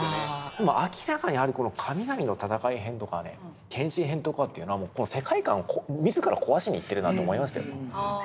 明らかにこの「神々の闘い編」とか「天使編」とかというのは世界観を自ら壊しに行ってるなと思いましたよ。